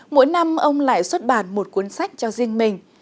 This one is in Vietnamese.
mỗi năm ông lại xuất bản một cuốn sách cho riêng mình